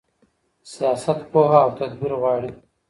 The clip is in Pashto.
سياست پوهه او تدبير غواړي.